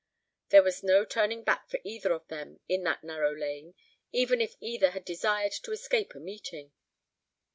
There was no turning back for either of them in that narrow lane, even if either had desired to escape a meeting.